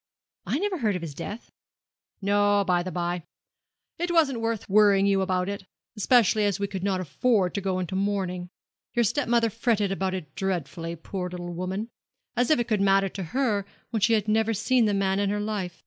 'I never heard of his death.' 'No, by the bye. It wasn't worth while worrying you about it, especially as we could not afford to go into mourning. Your step mother fretted about that dreadfully, poor little woman; as if it could matter to her, when she had never seen the man in her life.